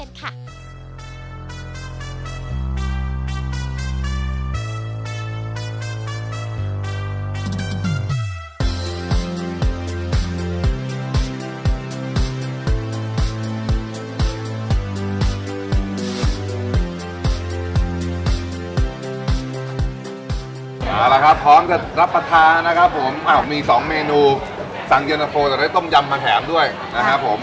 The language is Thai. เอาละครับพร้อมจะรับประทานนะครับผมมี๒เมนูสั่งเย็นตะโฟจะได้ต้มยำมะแขมด้วยนะครับผม